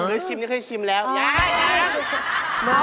เฮ่ยชิมนี่เคยชิมแล้วอย่าให้อย่าให้